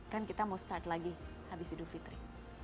kan kita mau start lagi habis idul fitri